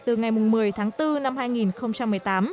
từ ngày một mươi tháng bốn năm hai nghìn một mươi tám